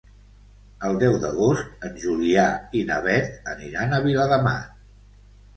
El deu d'agost en Julià i na Beth aniran a Viladamat.